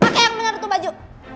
pake yang menyeru tu baju